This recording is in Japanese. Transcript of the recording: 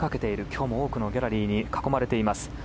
今日も多くのギャラリーに囲まれています。